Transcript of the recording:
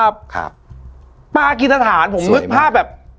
ปลากิจฐฐานผมฮึกภาพแบบ